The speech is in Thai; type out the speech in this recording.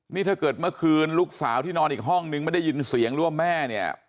นี่ถ้าเกิดเมื่อคืนลูกสาวที่นอนอีกห้องนึงไม่ได้ยินเสียงหรือว่าแม่เนี่ย